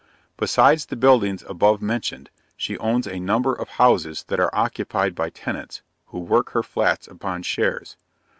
Besides the buildings above mentioned, she owns a number of houses that are occupied by tenants, who work her flats upon shares.